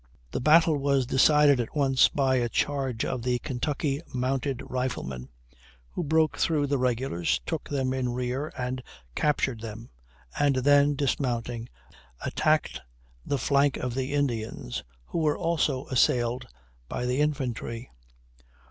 The battle was decided at once by a charge of the Kentucky mounted riflemen, who broke through the regulars, took them in rear, and captured them, and then dismounting attacked the flank of the Indians, who were also assailed by the infantry.